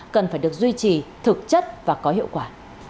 cần phải được duy trì thực chất và có hiệu quả